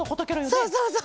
そうそうそう！